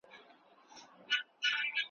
د خیر تمه به نه کوی له تورو خړو وریځو ,